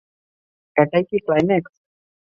এটাই কি ক্লাইম্যাক্স?